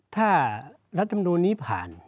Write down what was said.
ถ้ารัฐมนูลนี้ผ่าน